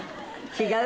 違う？